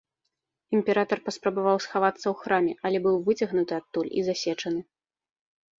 Імператар паспрабаваў схавацца ў храме, але быў выцягнуты адтуль і засечаны.